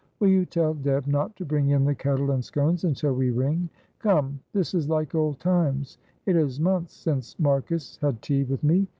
"Will you tell Deb not to bring in the kettle and scones until we ring? Come, this is like old times. It is months since Marcus had tea with me.